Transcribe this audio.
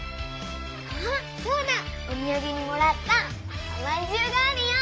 おみやげにもらったおまんじゅうがあるよ。